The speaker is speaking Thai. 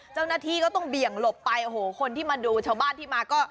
เจ้าหน้าที่ก็ต้องเบี่ยงหลบไปโอ้โหคนที่มาดูชาวบ้านที่มาก็